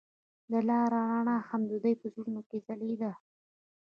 د لاره رڼا هم د دوی په زړونو کې ځلېده.